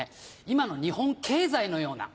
今の日本経済のような。